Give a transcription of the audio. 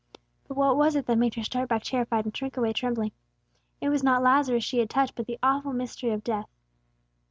But what was it that made her start back terrified, and shrink away trembling? It was not Lazarus she had touched, but the awful mystery of death.